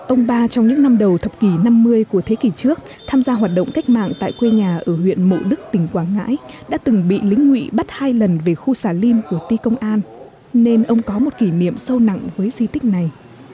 ông ba trong những năm đầu thập kỷ năm mươi của thế kỷ trước tham gia hoạt động cách mạng tại quê nhà ở huyện mộ đức tỉnh quảng ngãi đã từng bị lính nguy bắt hai lần về khu xà lim của ti công an nên ông có một kỷ niệm sâu nặng với di tích này